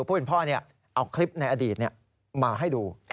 ผู้เป็นพ่อเนี่ยเอาคลิปในอดีตเนี่ยมาให้ดู